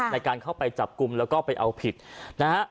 ในการเข้าไปจับกลุ่มแล้วก็ไปเอาผิดนะฮะ